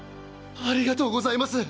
ありがとうございます！